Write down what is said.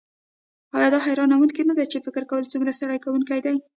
ایا دا حیرانوونکې نده چې فکر کول څومره ستړي کونکی دي